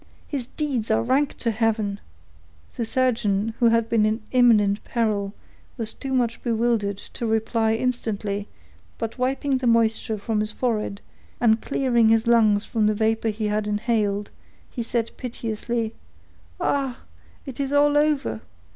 His deeds are rank to heaven!" The surgeon, who had been in imminent peril, was too much bewildered to reply instantly, but wiping the moisture from his forehead, and clearing his lungs from the vapor he had inhaled, he said piteously,— "Ah! it is all over!